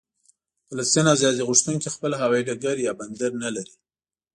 د فلسطین ازادي غوښتونکي خپل هوايي ډګر یا بندر نه لري.